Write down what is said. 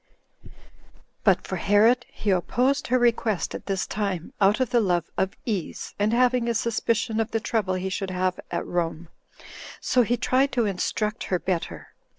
2. But for Herod, he opposed her request at this time, out of the love of ease, and having a suspicion of the trouble he should have at Rome; so he tried to instruct her better.